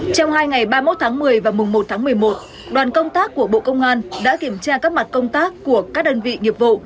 trong hai ngày ba mươi một tháng một mươi và mùng một tháng một mươi một đoàn công tác của bộ công an đã kiểm tra các mặt công tác của các đơn vị nghiệp vụ